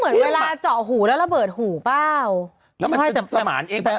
เหมือนเวลาเจาะหูแล้วระเบิดหูเปล่าไม่แต่สมานเอง